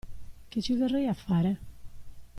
Che ci verrei a fare?